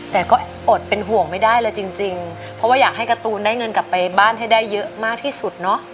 แต่ก็อดเป็นห่วงไม่ได้เลยจริงจริงเพราะว่าอยากให้การ์ตูนได้เงินกลับไปบ้านให้ได้เยอะมากที่สุดเนอะ